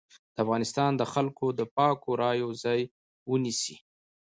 د افغانستان د خلکو د پاکو رايو ځای ونيسي.